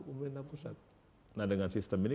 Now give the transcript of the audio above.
pemerintah pusat nah dengan sistem ini